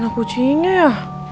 enak gucinya ya